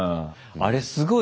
あれすごいね。